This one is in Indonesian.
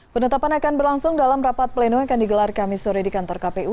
penetapan akan berlangsung dalam rapat pleno yang akan digelar kami sore di kantor kpu